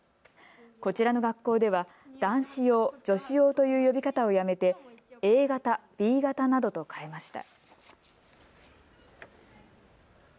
こちらの学校では男子用、女子用という呼び方をやめてＡ型、Ｂ型などと変えました。